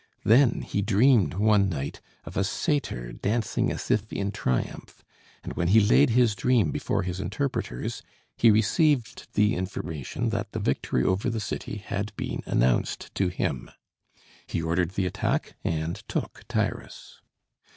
Then he dreamed one night of a satyr dancing as if in triumph; and when he laid his dream before his interpreters he received the information that the victory over the city had been announced to him. He ordered the attack and took Tyrus.